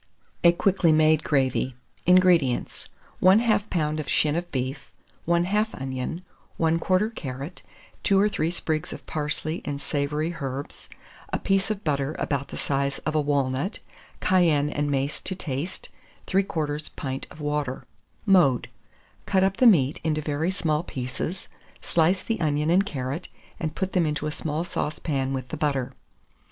A QUICKLY MADE GRAVY. 434. INGREDIENTS. 1/2 lb. of shin of beef, 1/2 onion, 1/4 carrot, 2 or 3 sprigs of parsley and savoury herbs, a piece of butter about the size of a walnut; cayenne and mace to taste, 3/4 pint of water. Mode. Cut up the meat into very small pieces, slice the onion and carrot, and put them into a small saucepan with the butter.